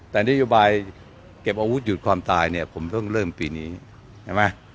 แต่นโยบายเก็บอาวุธหยุดความตายเนี่ยผมเพิ่งเริ่มปีนี้ใช่ไหม